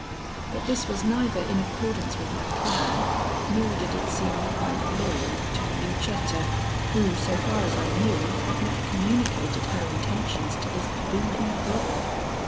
But this was neither in accordance with my plan, nor did it seem quite loyal to Lucetta, who, so far as I knew, had not communicated her intentions to this booby brother.